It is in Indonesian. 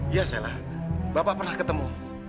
iya sela bapak pernah ketemu